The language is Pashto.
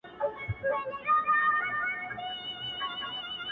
یو احمد وو بل محمود وو سره ګران وه-